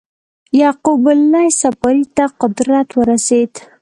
یعقوب اللیث صفاري ته قدرت ورسېد.